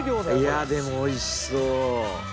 いやあでも美味しそう。